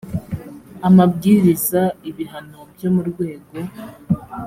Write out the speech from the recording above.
amabwiriza ibihano byo mu rwego